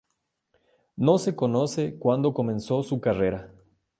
No se conoce cuando comenzó su carrera.